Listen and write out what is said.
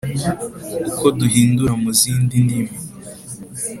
Uko duhindura mu zindi ndimi